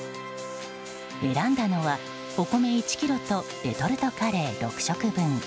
選んだのは、お米１ｋｇとレトルトカレー６食分。